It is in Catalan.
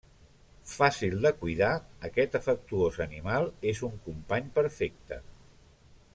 Fàcil de cuidar, aquest afectuós animal és un company perfecte.